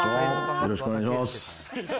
よろしくお願いします。